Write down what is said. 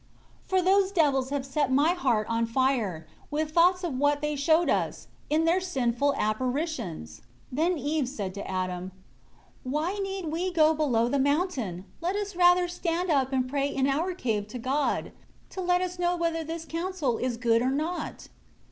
For those devils have set my heart on fire, with thoughts of what they showed us, in their sinful apparitions. 20 Then Eve said to Adam, "Why need we go below the mountain? Let us rather stand up and pray in our cave to God, to let us know whether this counsel is good or not."